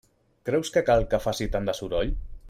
Creus que cal que faci tant de soroll?